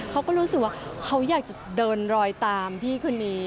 เขาก็รู้สึกว่าเขาอยากจะเดินรอยตามพี่คนนี้